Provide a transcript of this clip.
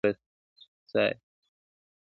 وروستي منزل ته به مي پل تر کندهاره څارې `